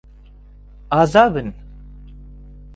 ئازا بن.